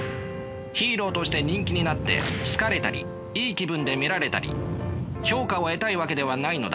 ヒーローとして人気になって好かれたりいい気分で見られたり評価を得たいわけではないのだから。